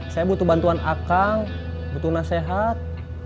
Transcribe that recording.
saya butuh bantuan akang butuh nasihat